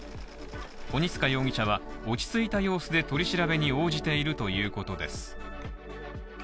鬼束容疑者は落ち着いた様子で取り調べに応じているということです。